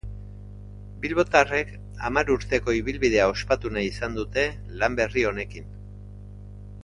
Bilbotarrek hamar urteko ibilbidea ospatu nahi izan dute lan berri honekin.